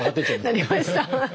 なりましたはい。